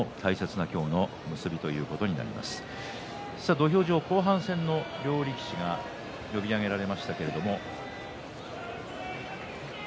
土俵上、後半戦の両力士が呼び上げられました。